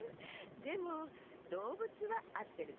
でもどうぶつはあってるかもね。